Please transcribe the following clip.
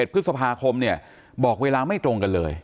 ๑พฤษภาคมเนี่ยบอกเวลาไม่ตรงกันเลย